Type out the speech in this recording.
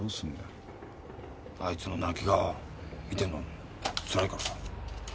あいつの泣き顔見てんのつらいからさ。